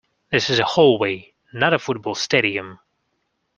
This is a hallway, not a football stadium!